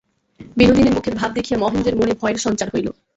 বিনোদিনীর মুখের ভাব দেখিয়া মহেন্দ্রের মনে ভয়ের সঞ্চার হইল।